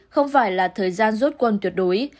không phải là thời gian rút quân tuyệt đối